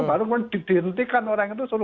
baru dibentikan orang itu selalu